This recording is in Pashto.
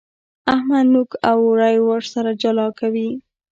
احمد نوک او اورۍ سره جلا کوي.